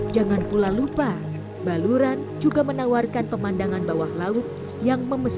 jangan pula lupa baluran juga menawarkan pemandangan bawah laut yang memesan